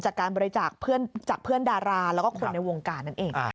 จากการบริจาคจากเพื่อนดาราแล้วก็คนในวงการนั่นเอง